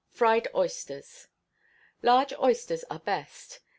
Fried Oysters. Large oysters are the best.